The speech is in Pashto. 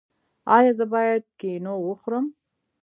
ایا زه باید کینو وخورم؟